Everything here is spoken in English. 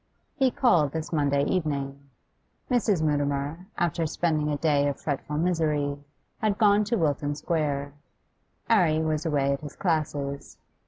He called this Monday evening. Mrs. Mutimer, after spending a day of fretful misery, had gone to Wilton Square; 'Arry was away at his classes.